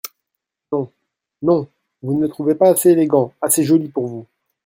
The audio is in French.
Non, non, vous ne le trouvez pas assez élégant, assez joli pour vous !